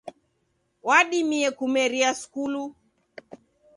Wadimie kumeria skulu.